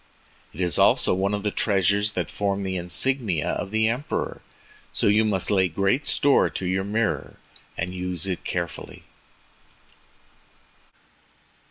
It is also one of the treasures that form the insignia of the Emperor. So you must lay great store by your mirror, and use it carefully."